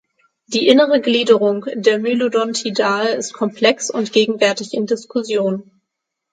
Die innere Gliederung der Mylodontidae ist komplex und gegenwärtig in Diskussion.